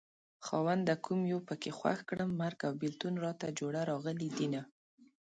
خاونده کوم يو پکې خوښ کړم مرګ او بېلتون راته جوړه راغلي دينه